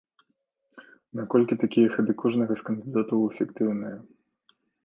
Наколькі такія хады кожнага з кандыдатаў эфектыўныя?